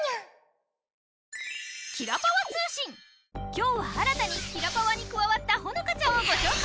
今日は新たにキラパワに加わったホノカちゃんをご紹介